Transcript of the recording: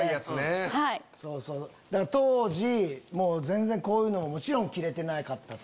当時全然こういうのももちろん着れてなかったと。